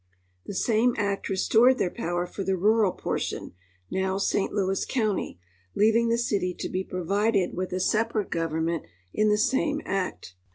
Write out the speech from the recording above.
The same act restored their power for the rural portion, now St. Louis county, leaving the city to be provided with a separate government in the same act.